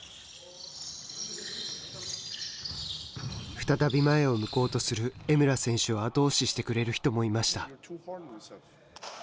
再び前を向こうとする江村選手を後押ししてくれる人もいました。